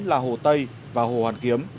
là hồ tây và hồ hoàn kiếm